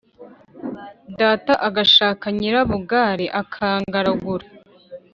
data agashaka Nyirabugare, akangaragura,